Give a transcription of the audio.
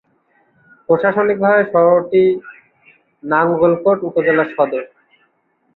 প্রশাসনিকভাবে শহরটি নাঙ্গলকোট উপজেলার সদর।